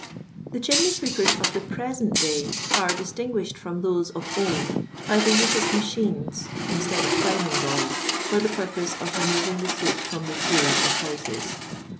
The chimney sweepers of the present day aif distinguished from those of old by the use of machines instead of climbing boys, for the purpose of removing the soot from the ifuus of houses.